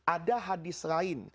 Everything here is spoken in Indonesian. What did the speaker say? ada hadis lain